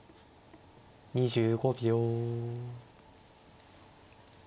２５秒。